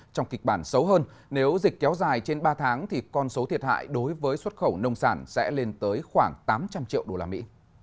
trong kịch bản xấu hơn nếu dịch kéo dài trên ba tháng thì con số thiệt hại đối với xuất khẩu nông sản sẽ lên tới khoảng tám trăm linh triệu đô la mỹ